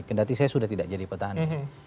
kendati saya sudah tidak jadi petani